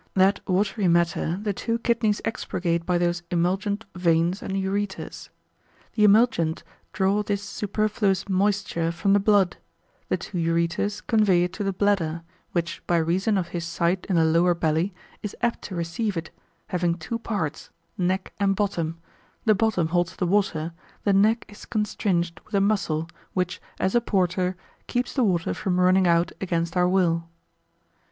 That watery matter the two kidneys expurgate by those emulgent veins and ureters. The emulgent draw this superfluous moisture from the blood; the two ureters convey it to the bladder, which, by reason of his site in the lower belly, is apt to receive it, having two parts, neck and bottom: the bottom holds the water, the neck is constringed with a muscle, which, as a porter, keeps the water from running out against our will.